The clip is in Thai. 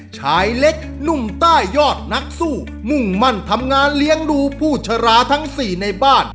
ชายเล็กหนุ่มใต้ยอดนักสู้มุ่งมั่นทำงานเลี้ยงดูผู้ชราทั้งสี่ในบ้าน